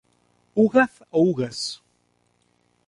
"Ughaz" o "Ugas".